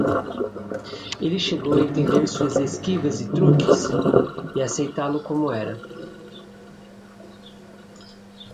Ele chegou a entender suas esquivas e truques? e aceitá-lo como era.